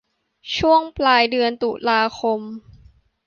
ช่วงปลายเดือนตุลา